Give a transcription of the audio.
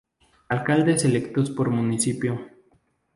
Alcaldes electos por municipio